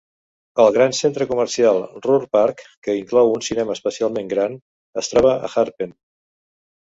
El gran centre comercial Ruhrpark, que inclou un cinema especialment gran, es troba a Harpen.